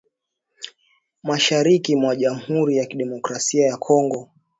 mashariki mwa jamhuri ya kidemokrasia ya Kongo